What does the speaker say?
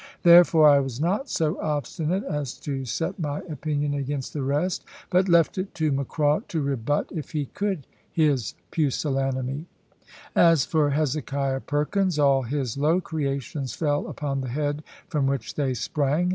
Therefore I was not so obstinate as to set my opinion against the rest; but left it to Mr Macraw to rebut, if he could, his pusillanimity. As for Hezekiah Perkins, all his low creations fell upon the head from which they sprang.